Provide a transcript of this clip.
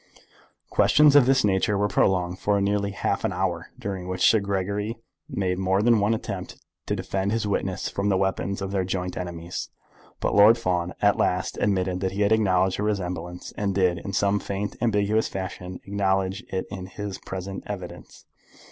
Questions of this nature were prolonged for near half an hour, during which Sir Gregory made more than one attempt to defend his witness from the weapons of their joint enemies; but Lord Fawn at last admitted that he had acknowledged the resemblance, and did, in some faint ambiguous fashion, acknowledge it in his present evidence.